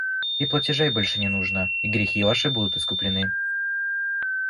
И платежей больше не нужно, и грехи ваши будут искуплены.